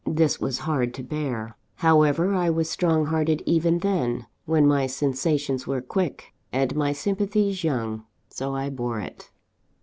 This was hard to bear. However, I was strong hearted even then, when my sensations were quick, and my sympathies young: so I bore it.